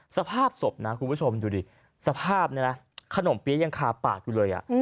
สภาพศพนะคุณผู้ชมดูดิสภาพนี้นะขนมเปี๊ยะยังคาปากอยู่เลย